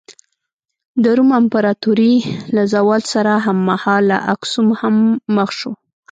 د روم امپراتورۍ له زوال سره هممهاله اکسوم هم مخ شو.